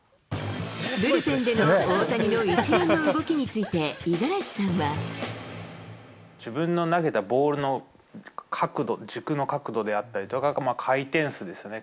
ブルペンでの大谷の一連の動自分の投げたボールの角度、軸の角度であったりとか、回転数ですね。